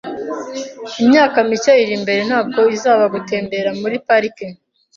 Imyaka mike iri imbere ntabwo izaba gutembera muri parike